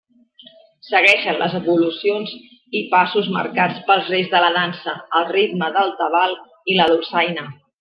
Segueixen les evolucions i passos marcats pels reis de la Dansa, al ritme del tabal i la dolçaina.